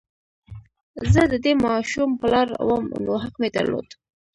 زه د دې ماشوم پلار وم نو حق مې درلود